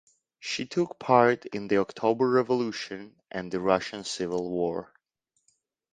She took part in the October Revolution and the Russian Civil War.